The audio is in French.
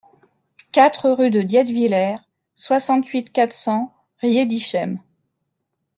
quatre rue de Dietwiller, soixante-huit, quatre cents, Riedisheim